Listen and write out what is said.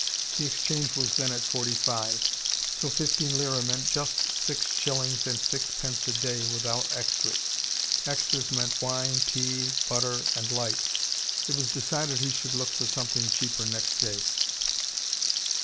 The exchange was then at forty five. So fifteen lire meant just six shillings and six pence a day, without extras. Extras meant wine, tea, butter, and light. It was decided he should look for something cheaper next day.